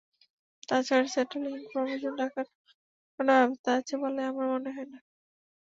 তা ছাড়া centrally information রাখার কোনো ব্যবস্থা আছে বলে আমার মনে হয় না।